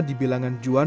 di bilangan juan